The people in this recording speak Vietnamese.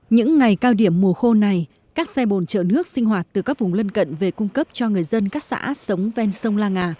những ngày cao điểm mùa khô này các xe bồn trợ nước sinh hoạt từ các vùng lân cận về cung cấp cho người dân các xã sống ven sông la ngà